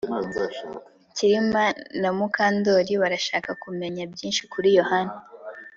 Kirima na Mukandoli barashaka kumenya byinshi kuri Yohana